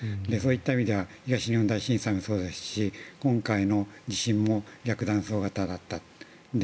そういった意味では東日本大震災もそうですし今回の地震も逆断層型だった。